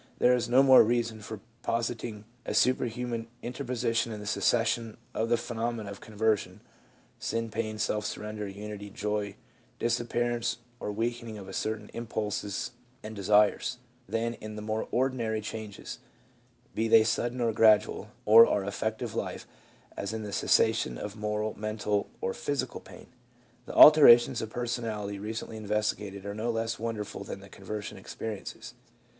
There is no more reason for positing a superhuman inter position in the succession of the phenomena of conversion (sin pain, self surrender, unity, joy, disappearance or weak ening of certain impulses and desires) than in the more ordi nary changes — be they sudden or gradual — of our affective life, as in the cessation of "moral," "mental," or "physical" pain. The alterations of personality, recently investigated, are no less wonderful than the conversion experiences.